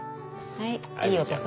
はい。